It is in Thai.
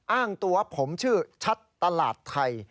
อ้างตัวผมชื่อชัดตลาดไทย